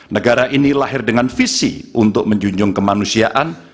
negara ini lahir dengan visi untuk menjunjung kemanusiaan